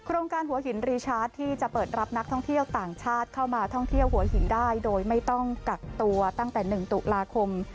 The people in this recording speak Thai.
โรงการหัวหินรีชาร์จที่จะเปิดรับนักท่องเที่ยวต่างชาติเข้ามาท่องเที่ยวหัวหินได้โดยไม่ต้องกักตัวตั้งแต่๑ตุลาคม